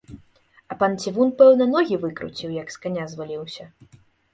А пан цівун, пэўна, ногі выкруціў, як з каня зваліўся.